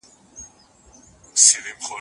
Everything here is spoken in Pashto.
د مقدمې کتاب موضوع څه ده؟